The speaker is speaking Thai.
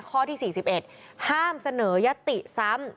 ข้อที่๔๑ห้ามเสนอยติซ้ำ